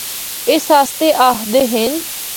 اس آسطے آخدے ہن۔